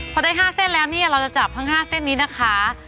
พอได้๕เส้นแล้วเนี่ยเราจะจับทั้ง๕เส้นนี้นะคะ